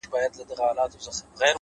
چي زه به څرنگه و غېږ ته د جانان ورځمه-